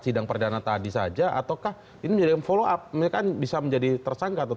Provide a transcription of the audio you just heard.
sidang perdana tadi saja ataukah ini menjadi follow up mereka bisa menjadi tersangka